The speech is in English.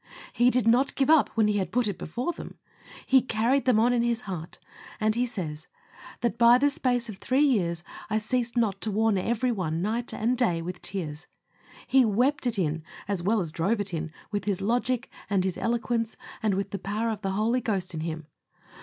He did not give up when he had put it before them. He carried them on his heart, and he says, "That by the space of three years I ceased not to warn every one night and day with tears." He wept it in, as well as drove it in, with his logic, and his eloquence, and with the power of the Holy Ghost in him.